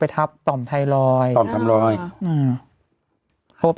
เราก็มีความหวังอะ